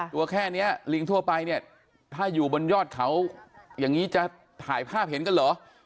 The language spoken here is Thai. ตัวแค่นี้ลิงทั่วไปเนี่ยถ้าอยู่บนยอดเขาอย่างนี้จะถ่ายภาพเห็นกันเหรอ